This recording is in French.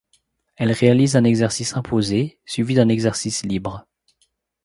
Elles réalisent un exercice imposé suivi d'un exercice libre.